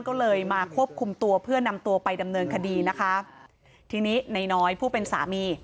ก็เลยมาควบคุมตัวเพื่อนำตัวไปดำเนินคดีนะคะทีนี้นายน้อยผู้เป็นสามี